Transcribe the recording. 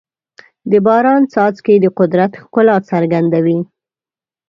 د باران څاڅکي د قدرت ښکلا څرګندوي.